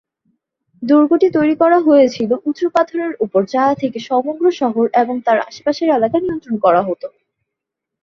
দুর্গটি তৈরি করা হয়েছিল উঁচু পাথরের উপর যা থেকে সমগ্র শহর এবং তার আশেপাশের এলাকা নিয়ন্ত্রণ করা হতো।